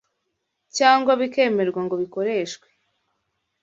cyangwa bikemerwa ngo bikoreshwe